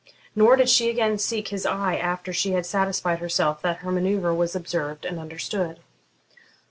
Nor did she again seek his eye after she had satisfied herself that her manoeuvre was observed and understood.